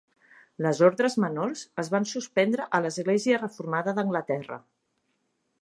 Les ordres menors es van suspendre a l'església reformada d'Anglaterra.